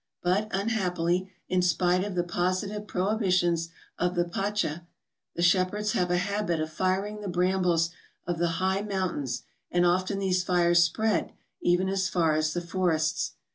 But, unhappily, in spite of the posi¬ tive prohibitions of the Pacha, the shepherds have a habit of firing the brambles of the high moun¬ tains, and often these fires spread even as far as the forests.